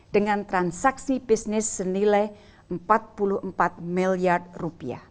dengan transaksi bisnis senilai rp empat puluh empat miliar